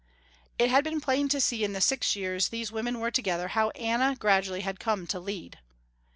It had been plain to see in the six years these women were together, how Anna gradually had come to lead.